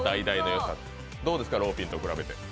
どうですかローピンと比べて。